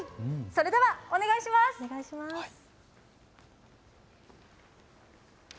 それではお願いします。